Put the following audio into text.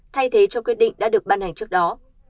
thay thế cho quyết định đã được ban hành trước đó